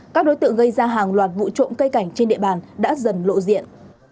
các đối tượng gây ra hàng loạt vụ trộm cây cảnh trên địa bàn đã dần lộ diện